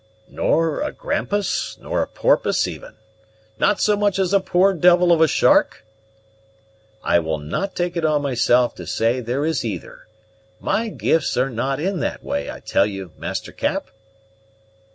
"Nor a grampus, nor a porpoise even? not so much as a poor devil of a shark?" "I will not take it on myself to say there is either. My gifts are not in that way, I tell you, Master Cap."